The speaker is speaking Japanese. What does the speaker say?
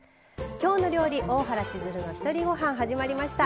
「きょうの料理」「大原千鶴のひとりごはん」始まりました。